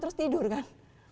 terus tidur kan